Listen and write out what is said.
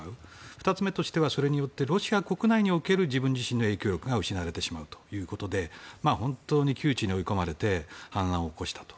２つ目としてはそれによってロシア国内における自分自身の影響力が失われてしまうということで本当に窮地に追い込まれて反乱を起こしたと。